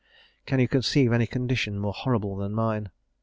Can you conceive any condition more horrible than mine?